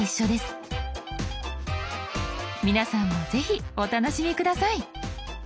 皆さんもぜひお楽しみ下さい。